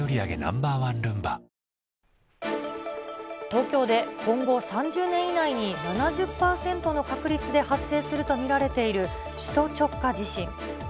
東京で今後３０年以内に７０％の確率で発生すると見られている首都直下地震。